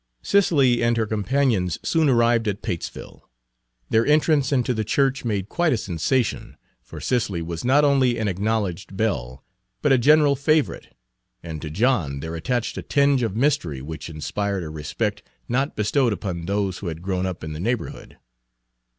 Cicely and her companions soon arrived at Patesville. Their entrance into the church made quite a sensation, for Cicely was not only an acknowledged belle, but a general favorite, and to John there attached a tinge of mystery which inspired a respect not bestowed upon those who had grown up in the neighborhood.